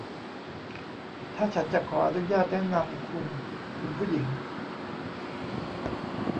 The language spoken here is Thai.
ถ้าฉันจะขออนุญาตแนะนำคุณ คุณผู้หญิง